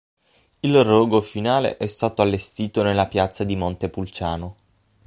Il rogo finale è stato allestito nella piazza di Montepulciano.